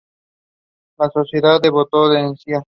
La "Sociedad Devoto y Cía.